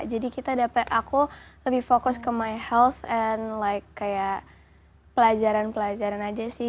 jadi kita dapat aku lebih fokus ke my health and like kayak pelajaran pelajaran aja sih